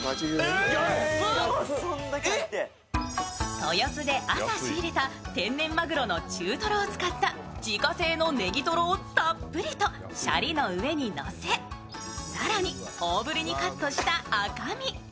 豊洲で朝仕入れた天然マグロの中トロを使った自家製のネギトロをたっぷりとシャリの上にのせ、更に大ぶりにカットした赤身。